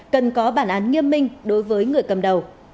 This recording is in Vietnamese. cần có bản án nghiêm minh đối với người cầm đầu